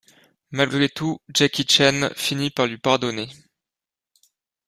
Malgré tout Jackie Chan finit par lui pardonner.